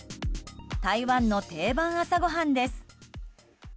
台湾の定番朝ごはんです。